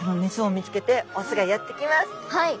はい。